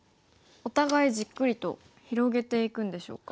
お互いじっくりと広げていくんでしょうか。